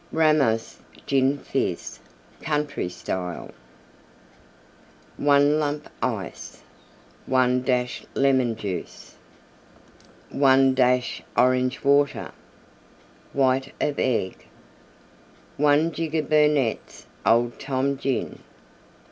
RAMOS GIN FIZZ Country Club Style 1 lump Ice. 1 dash Lemon Juice. 1 dash Orange Water. White of Egg. 1 jigger Burnette's Old Tom Gin.